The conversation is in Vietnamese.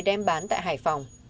đem bán tại hải phòng